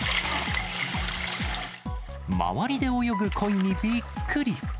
周りで泳ぐコイにびっくり。